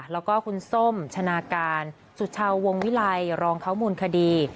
แล้วก็คุณส้มชนะการสุชาวงวิลัยรองเขามูลคดี